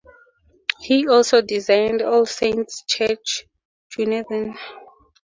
He also designed All Saints' Church, Dunedin.